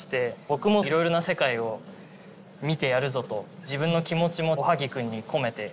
「僕もいろいろな世界を見てやるぞ」と自分の気持ちもおはぎ君に込めて。